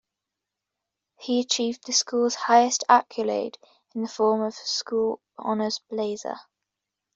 He achieved the school's highest accolade in the form of a School Honours Blazer.